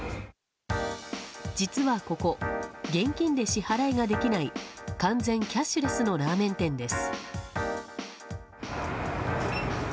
実はここ現金で支払いができない完全キャッシュレスのラーメン店です。